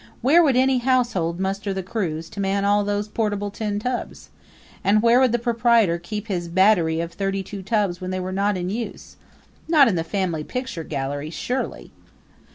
Where would any household muster the crews to man all those portable tin tubs? And where would the proprietor keep his battery of thirty two tubs when they were not in use? Not in the family picture gallery, surely!